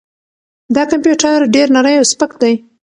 دا کمپیوټر ډېر نری او سپک دی.